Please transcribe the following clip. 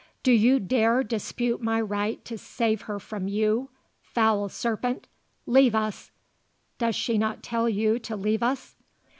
"Do you dare dispute my right to save her from you foul serpent! Leave us! Does she not tell you to leave us?"